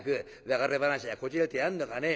別れ話がこじれてやんのかね。